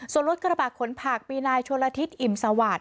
ส่วนรถกระบะขนผักมีนายชนละทิศอิ่มสวาสต